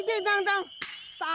aku juga nggak tau